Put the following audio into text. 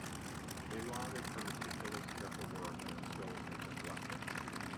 They lauded her meticulous, careful work and her skills as a collector.